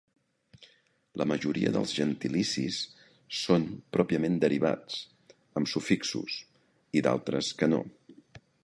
La majoria dels gentilicis són pròpiament derivats, amb sufixos, i d'altres que no.